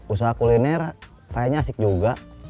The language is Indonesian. usaha kuliner kayaknya asik juga